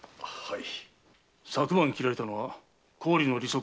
はい。